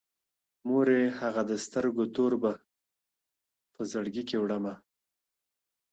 مورې هغه د سترگو تور به په زړگي کي وړمه_